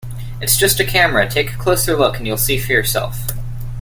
It's just a camera, take a closer look and you'll see for yourself.